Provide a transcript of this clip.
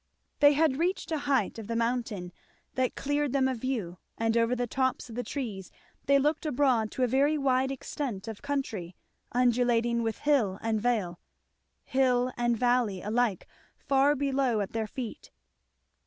They had reached a height of the mountain that cleared them a view, and over the tops of the trees they looked abroad to a very wide extent of country undulating with hill and vale, hill and valley alike far below at their feet.